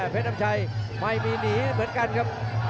อำชัยไม่มีหนีเหมือนกันครับ